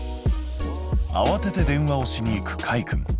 あわてて電話をしに行くかいくん。